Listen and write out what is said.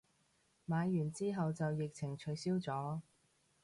買完之後就疫情取消咗